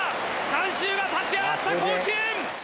観衆が立ち上がった甲子園！